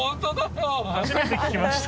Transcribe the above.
初めて聞きました。